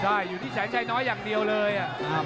มายนิหลัก